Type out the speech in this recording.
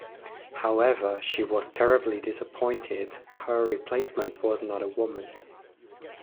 However, she was terribly disappointed her replacement was not a woman.